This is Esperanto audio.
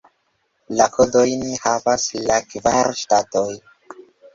La kodojn havas la kvar ŝtatoj.